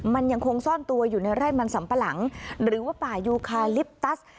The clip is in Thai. มันยังคงซ่อนตัวอยู่ในไร่มันสัมปะหลังหรือว่าป่ายูคาลิปตัส